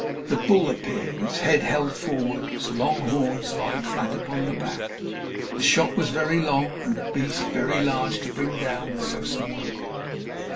The bull appeared, its head held forward, its long horns lying flat upon the back. The shot was very long, and the beast very large to bring down with so small a bullet.